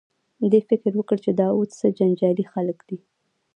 دې فکر وکړ چې دا اوس څه جنجالي خلک دي.